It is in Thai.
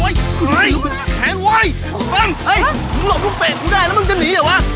โอ้ยแขนไว้บ้างนี่หลบลูกเตะกูได้แล้วมึงจะหนีเหรอวะ